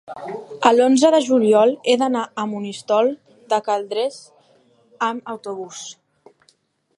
l'onze de juliol he d'anar a Monistrol de Calders amb autobús.